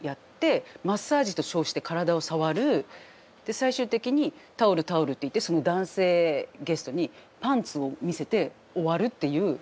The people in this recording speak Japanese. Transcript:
最終的にタオルタオルって言ってその男性ゲストにパンツを見せて終わるっていう。